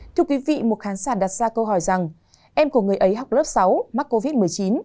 thưa quý vị một khán giả đặt ra câu hỏi rằng em của người ấy học lớp sáu mắc covid một mươi chín